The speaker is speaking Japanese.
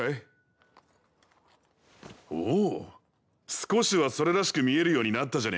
少しはそれらしく見えるようになったじゃねえか。